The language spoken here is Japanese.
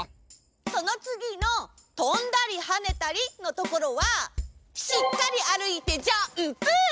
そのつぎの「とんだりはねたり」のところはしっかりあるいてジャンプ！